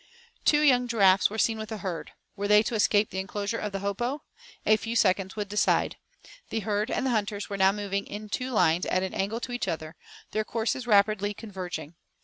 Two young giraffes were seen with the herd. Were they to escape the enclosure of the hopo? A few seconds would decide. The herd and the hunters were now moving in two lines at an angle to each other, their courses rapidly converging.